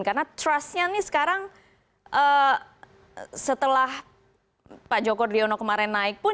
karena trustnya ini sekarang setelah pak joko driono kemarin naik pun